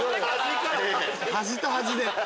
端と端で。